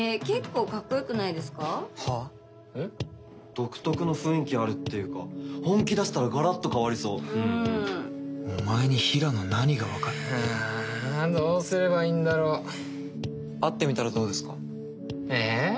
独特の雰囲気あるっていうか本気出したらガラッと変わりそううんええどうすればいいんだろう会ってみたらどうですかええ